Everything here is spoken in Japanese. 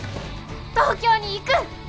東京に行く！